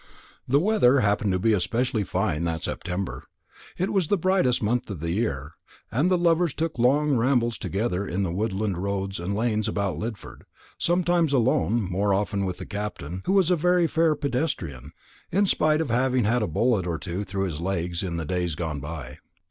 The weather happened to be especially fine that September. It was the brightest month of the year, and the lovers took long rambles together in the woodland roads and lanes about Lidford, sometimes alone, more often with the Captain, who was a very fair pedestrian, in spite of having had a bullet or two through his legs in the days gone by.